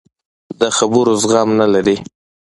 د خبرو زغم نه لري.